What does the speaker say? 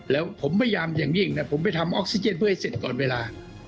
แล้วผมพยายามอย่างยิ่งนะผมไปทำออกซิเจนเพื่อให้เสร็จก่อนเวลา